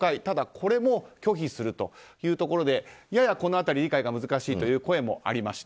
これも拒否するということでやや、この辺り理解が難しいという声もありました。